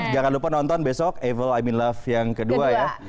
jangan lupa nonton besok evil amin love yang kedua ya